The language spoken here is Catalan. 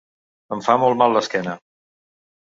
Em fa molt mal l'esquena.